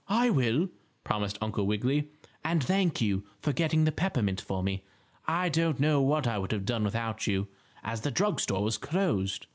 "I will," promised Uncle Wiggily. "And thank you for getting the peppermint for me. I don't know what I would have done without you, as the drug store was closed."